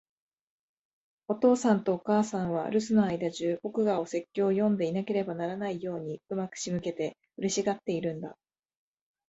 お父さんとお母さんは、留守の間じゅう、僕がお説教を読んでいなければならないように上手く仕向けて、嬉しがっているんだ。